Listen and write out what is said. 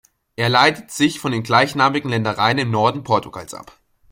Er leitet sich von den gleichnamigen Ländereien im Norden Portugals ab.